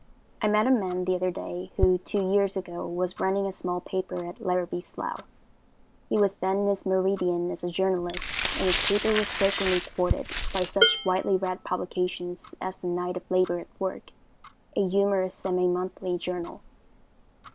I met a man the other day, who, two years ago, was running a small paper at Larrabie's Slough. He was then in his meridian as a journalist, and his paper was frequently quoted by such widely read publications as the Knight of Labor at Work, a humorous semi monthly journal.